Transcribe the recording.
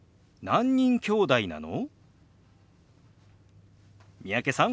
何人きょうだいなの？